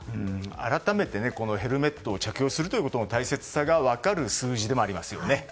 改めてヘルメットを着用することの大切さが分かる数字でもありますよね。